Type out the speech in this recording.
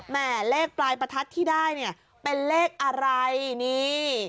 แม่เลขปลายประทัดที่ได้เนี่ยเป็นเลขอะไรนี่